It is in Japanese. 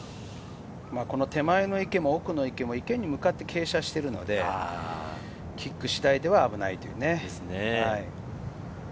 この手前の池も、奥の池も、池に向かって傾斜しているので、キック次第では危ない。